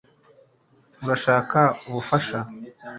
urashaka ubufasha